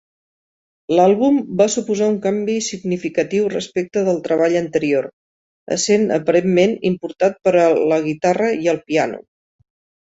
L'àlbum va suposar un canvi significatiu respecte del treball anterior, essent aparentment importat per la guitarra -i el piano.